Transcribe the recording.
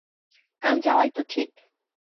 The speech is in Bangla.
কাল যাওয়াই তো ঠিক?